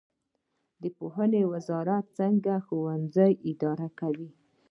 پوهنې وزارت څنګه ښوونځي اداره کوي؟